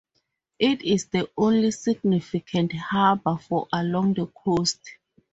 It is the only significant harbour for along the coast.